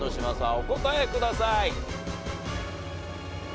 お答えください。